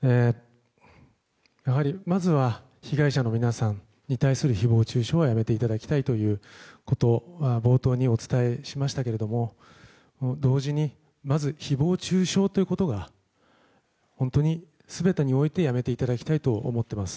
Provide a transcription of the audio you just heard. まずは被害者の皆さんに対する誹謗中傷はやめていただきたいということを冒頭にお伝えしましたが同時に、まず誹謗中傷ということは本当に、全てにおいてやめていただきたいと思っています。